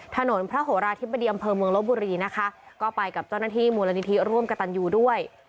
ถนนพระโหราธิบดีอำเภอเมืองลบบุรีนะคะก็ไปกับเจ้าหน้าที่มูลนิธิร่วมกับตันยูด้วย